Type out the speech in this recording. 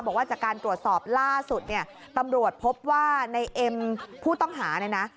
บอกว่าจากการตรวจสอบล่าสุดเนี่ยตำรวจพบว่าในเอ็มผู้ต้องหาเนี่ยนะ